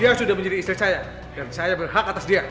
dia sudah menjadi istri saya dan saya berhak atas dia